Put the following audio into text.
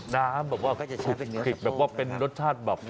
แบบว่าผิดแบบว่าเป็นรสชาติแบบ